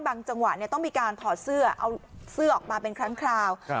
จังหวะเนี่ยต้องมีการถอดเสื้อเอาเสื้อออกมาเป็นครั้งคราว